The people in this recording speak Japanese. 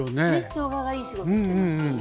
しょうががいい仕事してますよね。